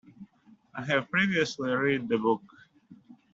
I have previously read the book.